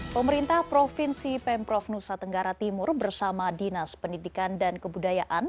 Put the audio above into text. pemerintah provinsi pemprov nusa tenggara timur bersama dinas pendidikan dan kebudayaan